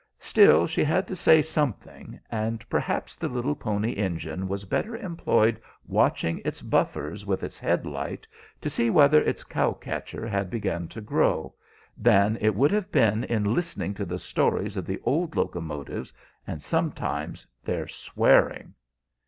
Still she had to say something, and perhaps the little Pony Engine was better employed watching its buffers with its head light, to see whether its cow catcher had begun to grow, than it would have been in listening to the stories of the old locomotives, and sometimes their swearing."